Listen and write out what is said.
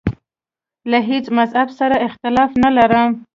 له هیڅ مذهب سره اختلاف نه لرم.